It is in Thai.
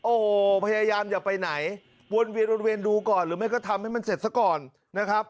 โอ้โหพยายามอย่าไปไหนวนเวียนวนเวียนดูก่อนหรือไม่ก็ทำให้มันเสร็จซะก่อนนะครับ